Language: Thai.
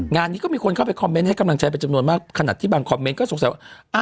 งานนี้ก็มีคนเข้าไปคอมเมนต์ให้กำลังใจเป็นจำนวนมากขนาดที่บางคอมเมนต์ก็สงสัยว่า